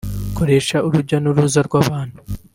Koroshya urujya n’uruza rw’abantu